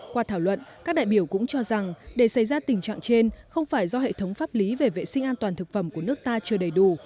qua thảo luận các đại biểu cũng cho rằng để xảy ra tình trạng trên không phải do hệ thống pháp lý về vệ sinh an toàn thực phẩm của nước ta chưa đầy đủ